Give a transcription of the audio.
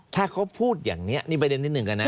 ถ้าเขาพูดอย่างนี้นี่ประเด็นที่หนึ่งกันนะ